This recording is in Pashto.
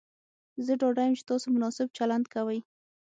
زه ډاډه یم چې تاسو مناسب چلند کوئ.